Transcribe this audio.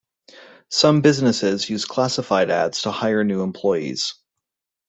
Some businesses use classified ads to hire new employees.